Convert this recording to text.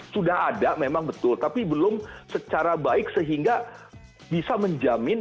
sudah ada memang betul tapi belum secara baik sehingga bisa menjamin